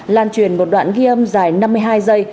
lan truyền một đoạn ghi âm dài năm mươi hai giây